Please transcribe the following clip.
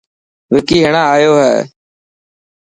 وڪي هيڻان آيو هي.